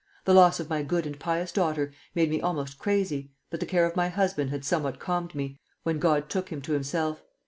The loss of my good and pious daughter made me almost crazy, but the care of my husband had somewhat calmed me, when God took him to himself.